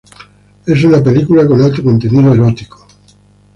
Es una película con alto contenido erótico.